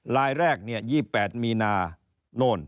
รายแรกเนี่ย๒๘มีนาโน่น